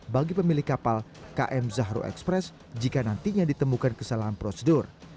bagi pemilik kapal km zahro express jika nantinya ditemukan kesalahan prosedur